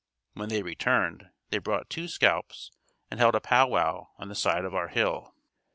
When they returned, they brought two scalps and held a "pow wow" on the side of our hill.